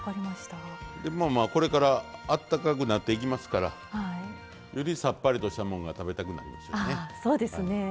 まあまあこれからあったかくなっていきますからよりさっぱりとしたもんが食べたくなりますよね。